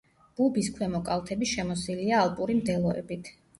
ბუბის ქვემო კალთები შემოსილია ალპური მდელოებით.